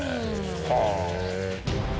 はあ。